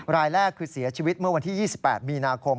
รายแรกคือเสียชีวิตเมื่อวันที่๒๘มีนาคม